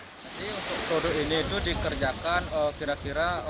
jadi untuk produk ini itu dikerjakan kira kira